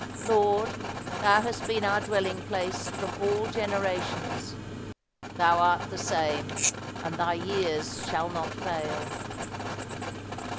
"Lord, Thou hast been our dwelling place from all generations." "Thou art the same, and Thy years shall not fail."